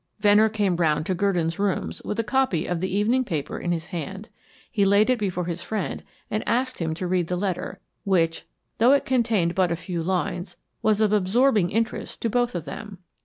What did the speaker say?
Venner came round to Gurdon's rooms with a copy of the evening paper in his hand. He laid it before his friend and asked him to read the letter, which, though it contained but a few lines, was of absorbing interest to both of them.